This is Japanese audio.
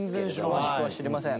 詳しくは知りません。